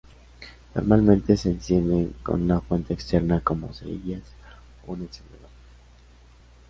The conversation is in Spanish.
Normalmente se encienden con una fuente externa como cerillas o un encendedor.